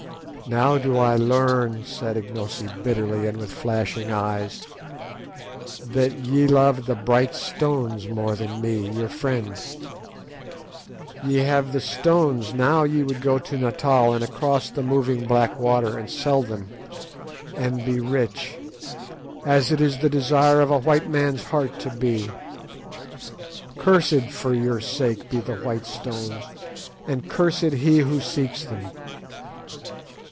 "Now do I learn," said Ignosi bitterly, and with flashing eyes, "that ye love the bright stones more than me, your friend. Ye have the stones; now ye would go to Natal and across the moving black water and sell them, and be rich, as it is the desire of a white man's heart to be. Cursed for your sake be the white stones, and cursed he who seeks them.